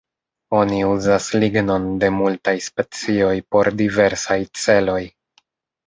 Oni uzas lignon de multaj specioj por diversaj celoj.